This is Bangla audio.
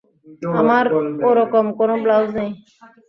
আমার ওরকম কোনো ব্লাউজ নেই।